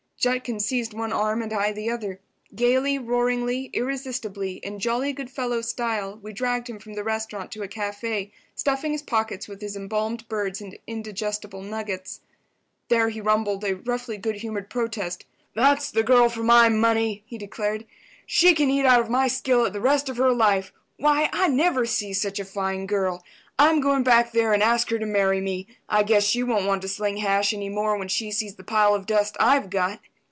Judkins seized one arm and I the other. Gaily, roaringly, irresistibly, in jolly good fellow style, we dragged him from the restaurant to a café, stuffing his pockets with his embalmed birds and indigestible nuggets. There he rumbled a roughly good humoured protest. "That's the girl for my money," he declared. "She can eat out of my skillet the rest of her life. Why, I never see such a fine girl. I'm going back there and ask her to marry me. I guess she won't want to sling hash any more when she sees the pile of dust I've got."